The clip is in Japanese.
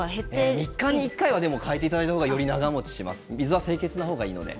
３日に１回は替えていただいた方が長もちします。